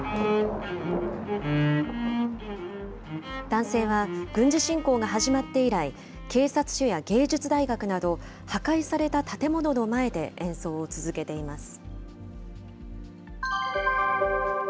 男性は、軍事侵攻が始まって以来、警察署や芸術大学など、破壊された建物の前で演奏を続けています。